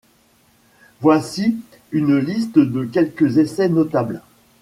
Voici une liste de quelques essais notables.